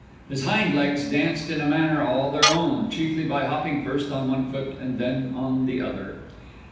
His hind legs danced in a manner all their own, chiefly by hopping first on one foot and then on the other.